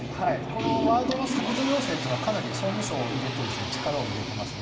このワードの削除要請はかなり総務省を入れて力を入れていますね。